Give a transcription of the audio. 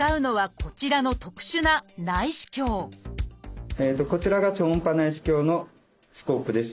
こちらが超音波内視鏡のスコープです。